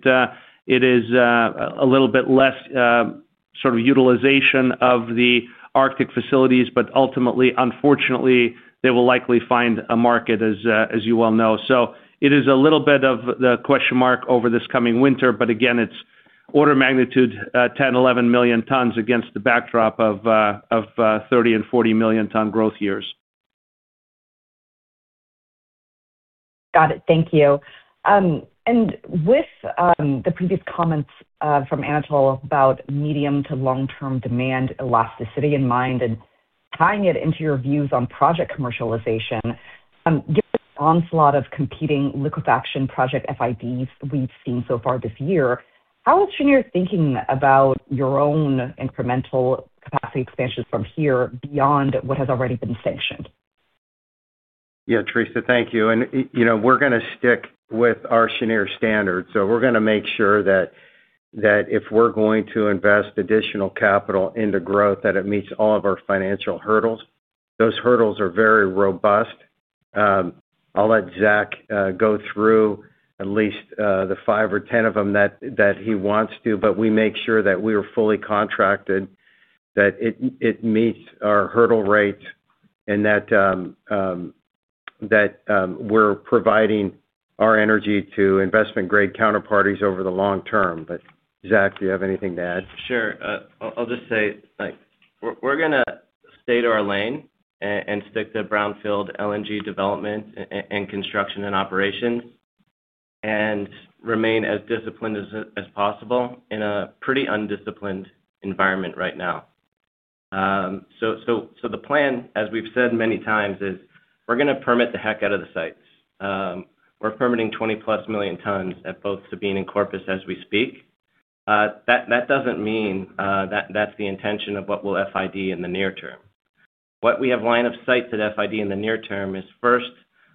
is a little bit less sort of utilization of the Arctic facilities. Ultimately, unfortunately, they will likely find a market, as you well know. It is a little bit of the question mark over this coming winter. Again, it's order of magnitude 10 million tons, 11 million tons against the backdrop of 30 million ton and 40 million ton growth years. Got it, thank you. With the previous comments from Anatol about medium to long-term demand elasticity in mind and tying it into your views on project commercialization, given onslaught of competing liquefaction project FIDs we've seen so far this year, how is Cheniere thinking about your own incremental capacity expansion from here beyond what has already been sanctioned? Yeah, Theresa, thank you. We're going to stick with our Cheniere standards. We're going to make sure that if we're going to invest additional capital into growth, it meets all of our financial hurdles. Those hurdles are very robust. I'll let Zach go through at least the five or 10 of them that he wants to. We make sure that we are fully contracted, that it meets our hurdle rates, and that we're providing our energy to investment-grade counterparties over the long term. Zach, do you have anything to add? Sure. I'll just say, we're going to stay to our lane and stick to brownfield LNG development and construction and operations and remain as disciplined as possible in a pretty undisciplined environment right now. The plan, as we've said many times, is we're going to permit the heck out of the sites. We're permitting 20+ million tons at both Sabine and Corpus as we speak. That doesn't mean that's the intention of what we'll FID in the near term. What we have line of sight to FID in the near term is first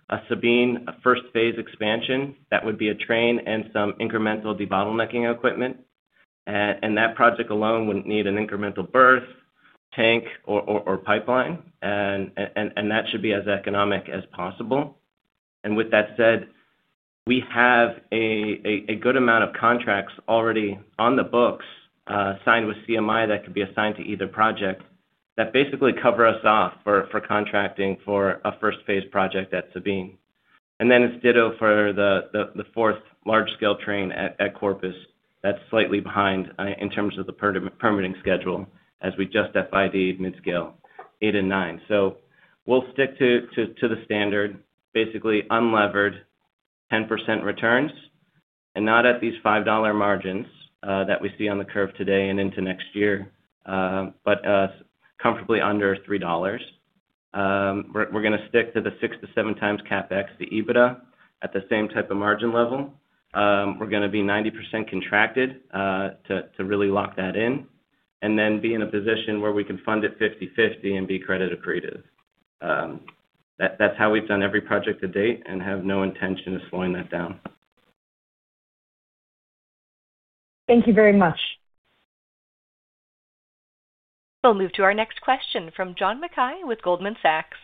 a Sabine, first phase expansion. That would be a train and some incremental debottlenecking equipment. That project alone would need an incremental berth, tank, or pipeline, and that should be as economic as possible. We have a good amount of contracts already on the books signed with CMI that could be assigned to either project that basically cover us off for contracting for a first-phase project at Sabine, and it's ditto for the fourth large-scale train at Corpus Christi. That's slightly behind in terms of the permitting schedule as we just FID mid-scale 8 and 9. We'll stick to the standard basically unlevered 10% returns, and not at these $5 margins that we see on the curve today and into next year, but comfortably under $3. We're going to stick to the 6 to 7 times CapEx to EBITDA at the same type of margin level. We're going to be 90% contracted to really lock that in and then be in a position where we can fund it 50/50 and be credit accretive. That's how we've done every project to date and have no intention of slowing that down. Thank you very much. We'll move to our next question from John Mackay with Goldman Sachs.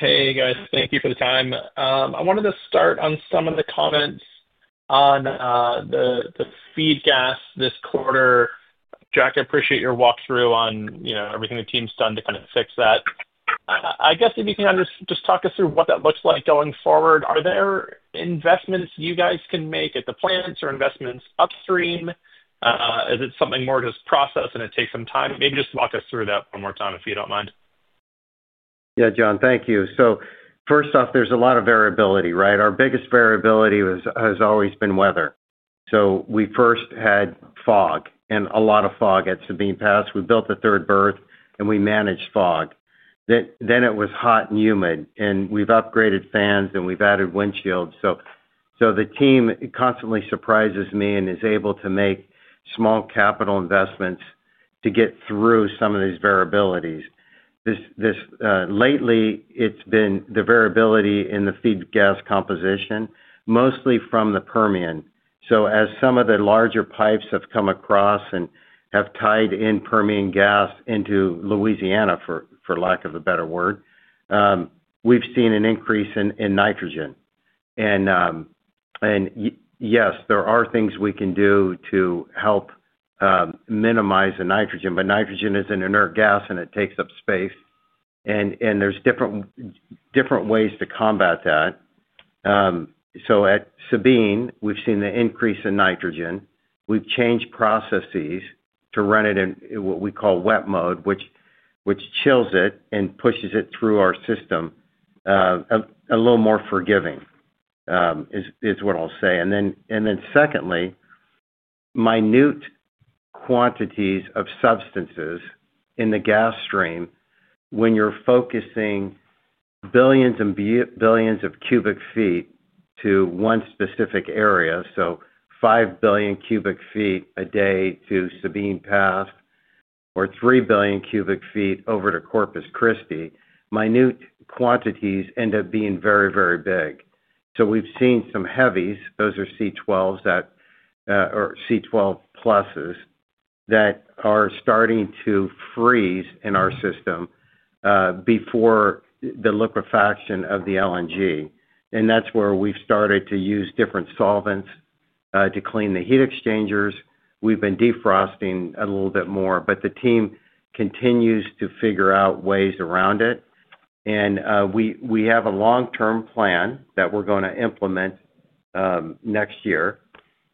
Hey guys, thank you for the time. I wanted to start on some of the comments on the feed gas this quarter. Jack, I appreciate your walkthrough on everything the team's done to kind of fix that. I guess if you can just talk us through what that looks like going forward. Are there investments you guys can make at the plants or investments upstream? Is it something more, just process and it takes some time? Maybe just walk us through that one more time if you don't mind. Yeah, John, thank you. First off, there's a lot of variability, right? Our biggest variability has always been weather. We first had fog and a lot of fog at Sabine Pass. We built the third berth and we managed fog. It was hot and humid and we've upgraded fans and we've added windshields. The team constantly surprises me and is able to make small capital investments to get through some of these variabilities. Lately, it's been the variability in the feed gas composition, mostly from the Permian. As some of the larger pipes have come across and have tied in Permian gas into Louisiana, for lack of a better word, we've seen an increase in nitrogen and yes, there are things we can do to help minimize the nitrogen. Nitrogen is an inert gas and it takes up space and there's different ways to combat that. At Sabine, we've seen the increase in nitrogen. We've changed processes to run it in what we call wet mode, which chills it and pushes it through our system a little more forgiving is what I'll say. Secondly, minute quantities of substances in the gas stream when you're focusing billions and billions of cubic feet to one specific area. So 5 billion cu ft a day to Sabine Pass or 3 billion cu ft over to Corpus Christi. Minute quantities end up being very, very big. We've seen some heavies, those are C12s or C12+ that are starting to freeze in our system before the liquefaction of the LNG. That's where we've started to use different solvents to clean the heat exchangers. We've been defrosting a little bit more, but the team continues to figure out ways around it and we have a long-term plan that we're going to implement next year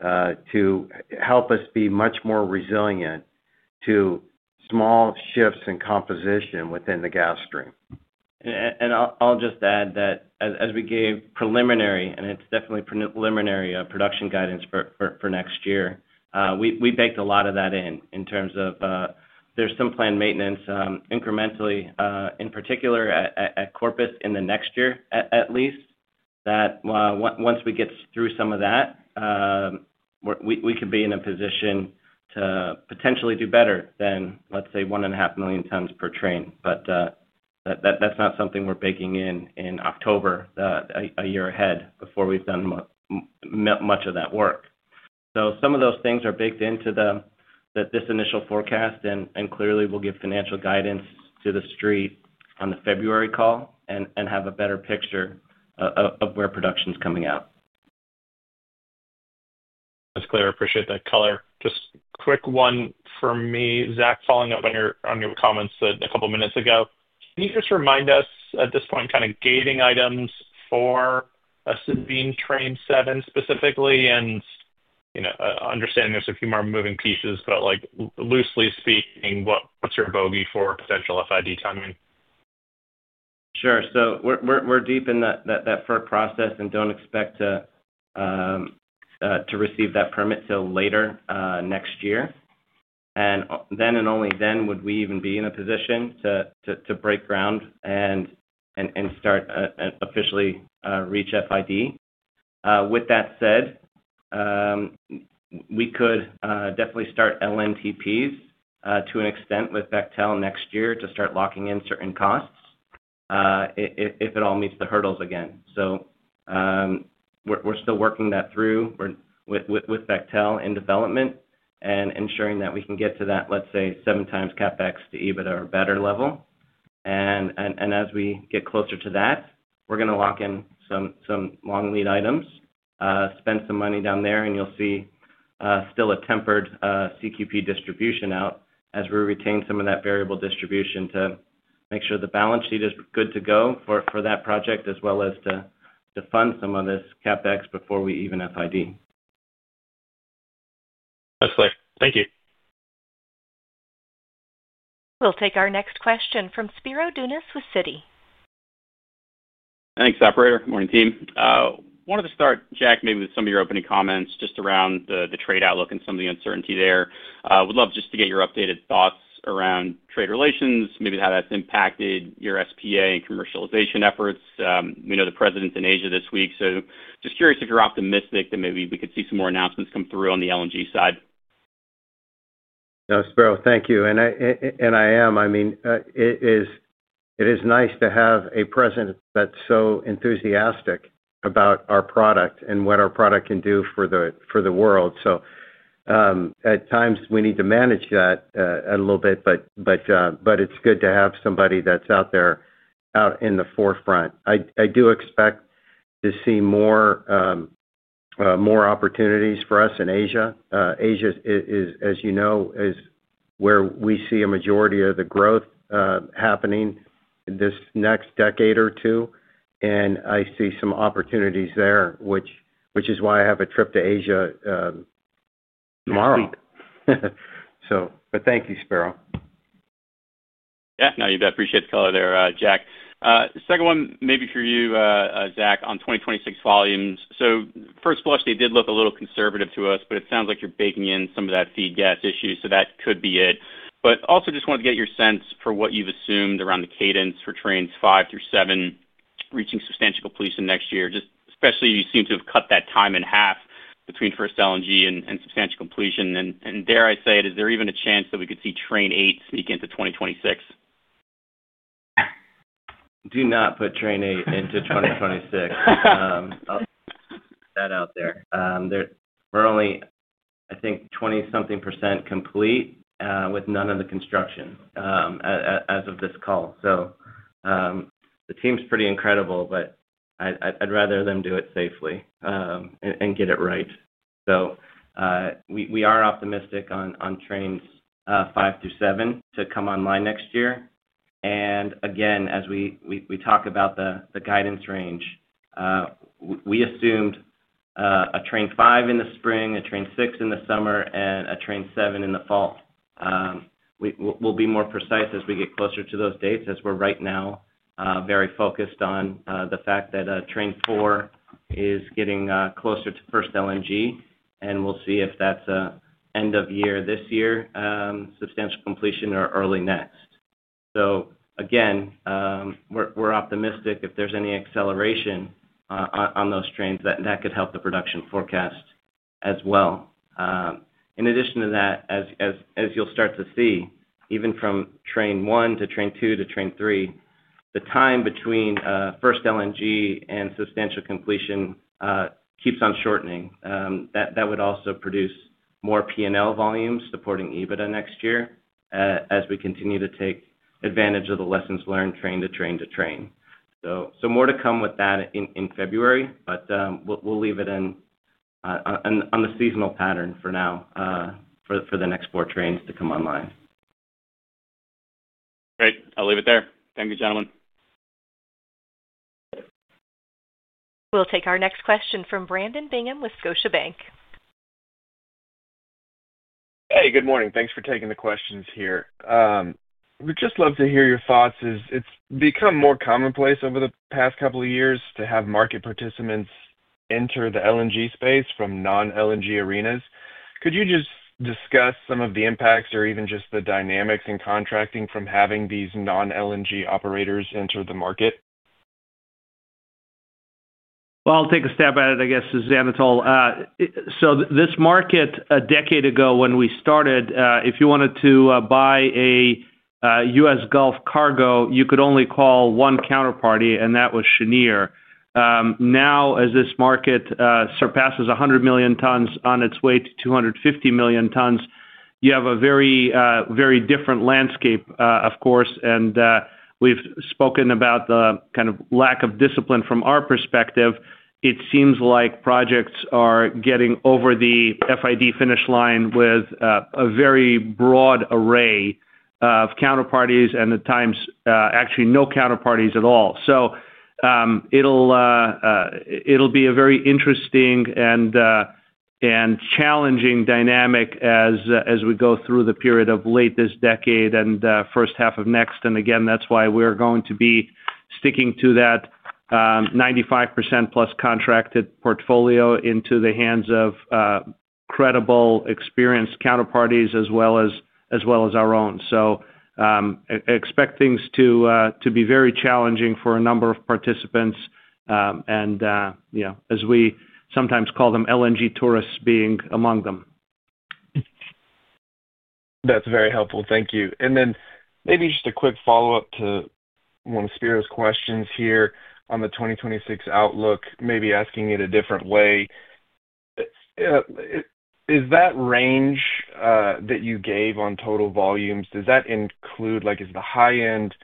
to help us be much more resilient to small shifts in composition within the gas stream. I'll just add that as we gave preliminary, and it's definitely preliminary, production guidance for next year, we baked a lot of that in in terms of there's some planned maintenance incrementally, in particular at Corpus, in the next year. At least that once we get through some of that, we could be in a position to potentially do better than let's say 1.5 million tons per train. That's not something we're baking in in October a year ahead before we've done much of that work. Some of those things are baked into this initial forecast. Clearly, we'll give financial guidance to the street on the February call and have a better picture of where production's coming out. That's clear. I appreciate that. Just a quick one for me, Zach. Following up on your comments a couple minutes ago, can you just remind us at this point kind of gating items for a Sabine Train 7 specifically, and understanding there's a few more moving pieces, but loosely speaking, what's your bogey for potential FID timing? Sure. We're deep in that FERC process and don't expect to receive that permit till later next year. Then and only then would we even be in a position to break ground and officially reach FID. With that said, we could definitely start LNTPs to an extent with Bechtel next year to start locking in certain costs if it all meets the hurdles again. We're still working that through with Bechtel in development and ensuring that we can get to that, let's say, seven times CapEx to EBITDA or better level. As we get closer to that, we're going to lock in some long lead items, spend some money down there, and you'll see still a tempered CQP distribution out as we retain some of that variable distribution to make sure the balance sheet is good to go for that project, as well as to fund some of this CapEx before we even FID. Excellent. Thank you. We'll take our next question from Spiro Dounis with Citi. Thanks. Morning team, wanted to start, Jack, maybe with some of your opening comments just around the trade outlook and some of the uncertainty there. Would love just to get your updated thoughts around trade relations, maybe how that's impacted your SPA and commercialization efforts. We know the President's in Asia this week, so just curious if you're optimistic that maybe we could see some more announcements come through on the LNG side. Spiro, thank you. I mean, it is nice to have a President that's so enthusiastic about our product and what our product can do for the world. At times we need to manage that a little bit, but it's good to have somebody that's out there, out in the forefront. I do expect to see more opportunities for us in Asia. Asia, as you know, is where we see a majority of the growth happening this next decade or two. I see some opportunities there, which is why I have a trip to Asia tomorrow. Thank you, Spiro. Yeah, no, you bet. Appreciate the color there, Jack. Second one maybe for you, Zach, on 2026 volumes. At first flush, they did look a little conservative to us, but it sounds like you're baking in some of that feed gas issue, that could be it. I also just wanted to get your sense for what you've assumed around the cadence for Trains 5 through 7 reaching substantial completion next year, especially since you seem to have cut that time in half between first LNG and substantial completion. Dare I say it, is there even a chance that we could see Train 8 sneak into 2026? Do not put Train 8 into 2026. That out there, we're only, I think, 20-something percent complete with none of the construction as of this call. The team's pretty incredible, but I'd rather them do it safely and get it right. We are optimistic on Trains 5 through 7 to come online next year. As we talk about the guidance range, we assumed a Train 5 in the spring, a Train 6 in the summer, and a Train 7 in the fall. We'll be more precise as we get closer to those dates, as we're right now very focused on the fact that Train 4 is getting closer to first LNG, and we'll see if that's end of year this year, substantial completion, or early next. We're optimistic if there's any acceleration on those trains that could help the production forecast as well. In addition to that, as you'll start to see, even from Train 1 to Train 2 to Train 3, the time between first LNG and substantial completion keeps on shortening. That would also produce more P&L volume supporting EBITDA next year as we continue to take advantage of the lessons learned train to train to train. More to come with that in February, but we'll leave it in on the seasonal pattern for now for the next four trains to come online. Great. I'll leave it there. Thank you, gentlemen. We'll take our next question from Brandon Bingham with Scotiabank. Hey, good morning. Thanks for taking the questions here. We'd just love to hear your thoughts. It's become more commonplace over the past couple of years to have market participants enter the LNG space from non-LNG arenas. Could you just discuss some of the impacts or even just the dynamics in contracting from having these non-LNG operators enter the market? I'll take a stab at it, I guess. Anatol. This market, a decade ago when we started, if you wanted to buy a U.S. Gulf cargo, you could only call one counterparty, and that was Cheniere. Now, as this market surpasses 100 million ton on its way to 250 million tons, you have a very, very different landscape, of course, and we've spoken about the kind of lack of discipline. From our perspective, it seems like projects are getting over the FID finish line with a very broad array of counterparties and at times actually no counterparties at all. It will be a very interesting and challenging dynamic as we go through the period of late this decade and first half of next. That's why we're going to be sticking to that 95%+ contracted portfolio into the hands of credible, experienced counterparties as well as our own sort. Expect things to be very challenging for a number of participants and, as we sometimes call them, LNG tourists being among them. That's very helpful, thank you. Maybe just a quick follow up to one of Spiro's questions here on the 2026 outlook, maybe asking it a different way. Is that range that you gave on total volumes, does that include, like, is the high end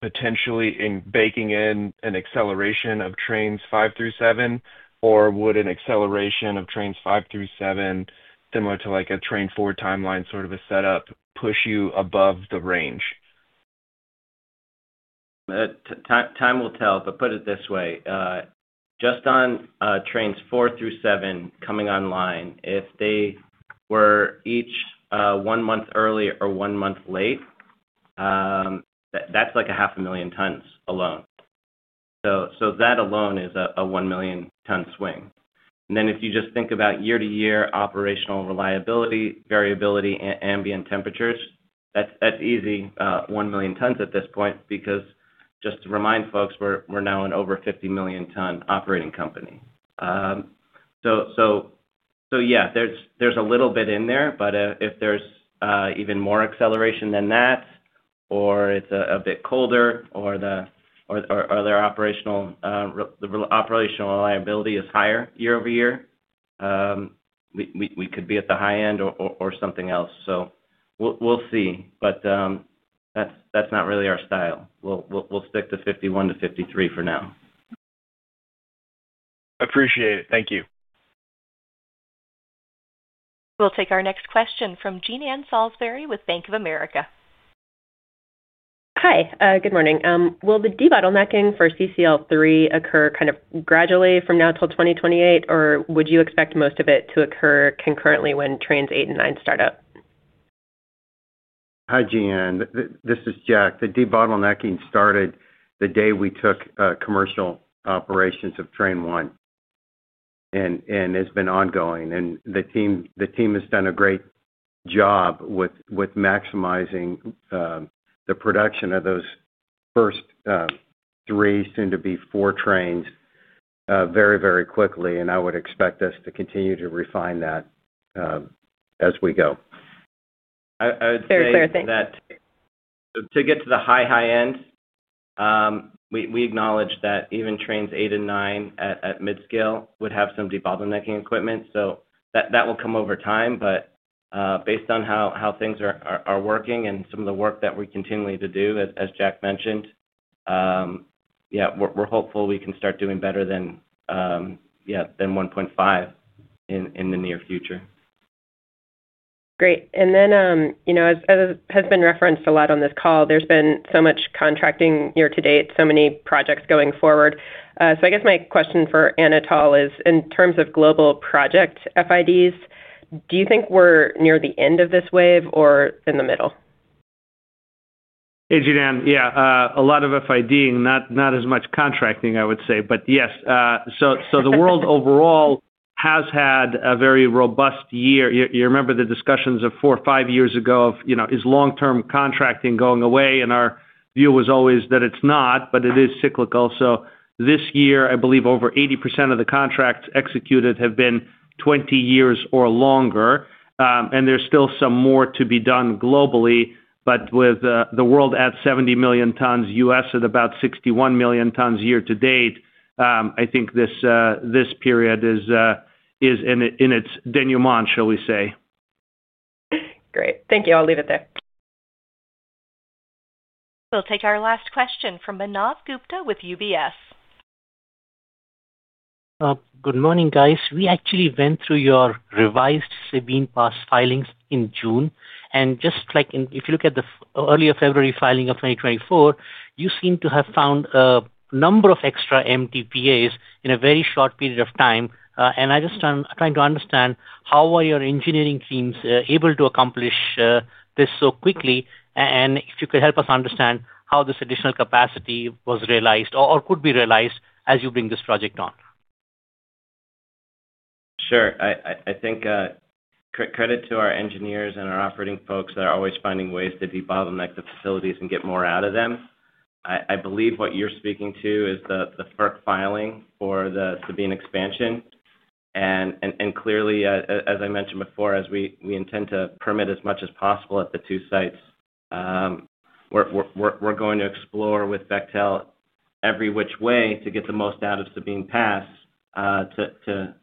potentially in, baking in an acceleration of Trains 5 through 7? Would an acceleration of Trains 5 through 7 be similar to a train 4 timeline, sort of a setup push you above the range? Time will tell. Just on Trains 4 through 7 coming online, if they were each one month early or one month late, that's like 500,000 tons alone. That alone is a 1 million ton swing. If you just think about year-to-year operational reliability variability, ambient temperatures, that's easily 1 million tons at this point because, just to remind folks, we're now an over 50 million ton operating company. There's a little bit in there, but if there's even more acceleration than that or it's a bit colder, or their operational reliability is higher year-over-year, we could be at the high end or something else. We'll see, but that's not really our style. We'll stick to 51 million tons-53 million tons for now. Appreciate it. Thank you. We'll take our next question from Jean Ann Salisbury with Bank of America. Hi, good morning. Will the debottlenecking for CCL3 occur kind of gradually from now till 2028, or would you expect most of it to occur concurrently when Trains 8 and 9 start up? Hi Jean, this is Jack. The debottlenecking started the day we took commercial operations of Train 1 and has been ongoing. The team has done a great job with maximizing the production of those first three, soon to be four, trains very, very quickly. I would expect us to continue to refine that as we go. Through that to get to the high, high end. We acknowledge that even Trains 8 and 9 at mid-scale would have some debottlenecking equipment. That will come over time. Based on how things are working and some of the work that we continually do, as Jack mentioned, we're hopeful we can start doing better than 1.5 in the near future. Great. As has been referenced a lot on this call, there's been so much contracting year to date, so many projects going forward. I guess my question for Anatol is, in terms of global project FIDs, do you think we're near the end of this wave or in the middle? Hey, Jean Ann. Yeah, a lot of finding? Not as much contracting, I would say, but yes. The world overall has had a very robust year. You remember the discussions of four or five years ago of is long-term contracting going away? Our view was always that it's not, but it is cyclical. This year, I believe over 80% of the contracts executed have been 20 years or longer. There's still some more to be done globally, with the world at 70 million tons, U.S. at about 61 million tons year to date. I think this period is in its denouement, shall we say. Great, thank you. I'll leave it there. We'll take our last question from Manav Gupta with UBS. Good morning, guys. We actually went through your revised Sabine Pass filings in June. If you look at the earlier February filing of 2024, you seem to have found a number of extra MTPAs in a very short period of time. I'm just trying to understand how your engineering teams are able to accomplish this so quickly, and if you could help us understand how this additional capacity was realized or could be realized as you bring this project on. Sure. I think credit to our engineers and our operating folks that are always finding ways to debottleneck the facilities and get more out of them. I believe what you're speaking to is the FERC filing for the Sabine Pass expansion. Clearly, as I mentioned before, we intend to permit as much as possible at the two sites. We are going to explore with Bechtel every which way to get the most out of Sabine Pass to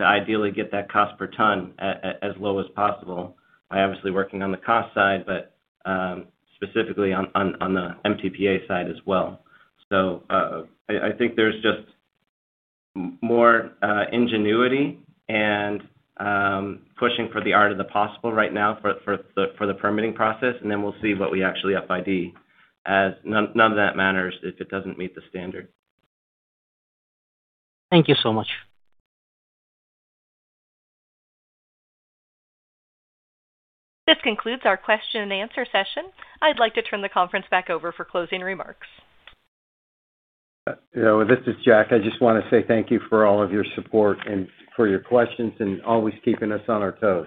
ideally get that cost per ton as low as possible by obviously working on the cost side, but specifically on the MTPA side as well. I think there's just more ingenuity and pushing for the art of the possible right now for the permitting process, and then we'll see what we actually FID as. None of that matters if it doesn't meet the standard. Thank you so much. This concludes our question-and-answer session. I'd like to turn the conference back over for closing remarks. This is Jack. I just want to say thank you for all of your support, for your questions, and always keeping us on our toes.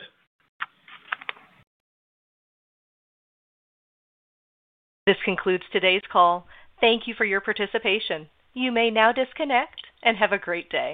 This concludes today's call. Thank you for your participation. You may now disconnect and have a great day.